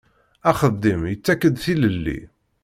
Axeddim yettak-d tilelli.